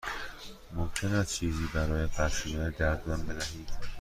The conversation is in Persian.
ممکن است چیزی برای قطع شدن درد به من بدهید؟